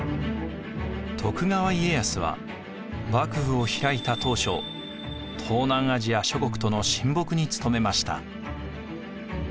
徳川家康は幕府を開いた当初東南アジア諸国との親睦に努めました。